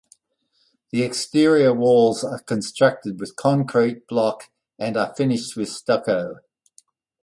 The exterior walls are constructed with concrete block and are finished with stucco.